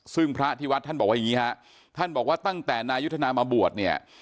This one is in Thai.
ซึ่งพระที่วัดท่านบอกว่าอย่างนี้ฮะท่านบอกว่าตั้งแต่นายุทธนามาบวชเนี่ย